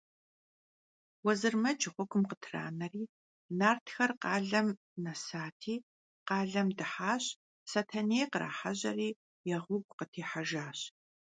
Vuezırmec ğuegum khıtraneri, nartxer khalem nesati, khalem dıhaş, Setenêy khrahejeri, ya ğuegu khıtêhejjaş.